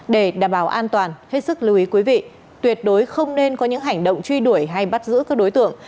để đảm bảo an toàn hết sức lưu ý quý vị tuyệt đối không nên có những hành động truy đuổi hay bắt giữ các đối tượng